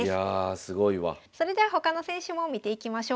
それでは他の選手も見ていきましょう。